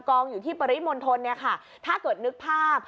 กองอยู่ที่ปริมณ์ทนถ้าเกิดนึกภาพ